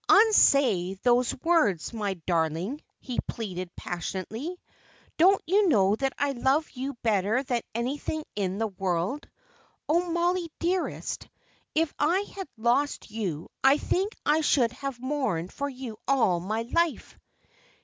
Unsay those words, my darling," he pleaded, passionately. "Don't you know that I love you better than anything in the world? Oh, Mollie, dearest, if I had lost you I think I should have mourned for you all my life."